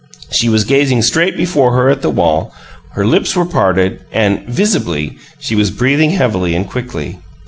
She was gazing straight before her at the wall; her lips were parted, and visibly she was breathing heavily and quickly.